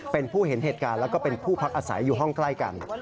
เป็นผู้เห็นเหตุการณ์แล้วก็เป็นผู้พักอาศัยอยู่ห้องใกล้กัน